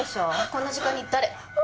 こんな時間に誰？